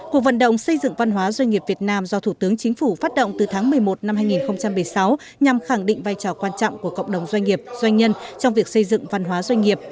cuộc vận động xây dựng văn hóa doanh nghiệp việt nam do thủ tướng chính phủ phát động từ tháng một mươi một năm hai nghìn một mươi sáu nhằm khẳng định vai trò quan trọng của cộng đồng doanh nghiệp doanh nhân trong việc xây dựng văn hóa doanh nghiệp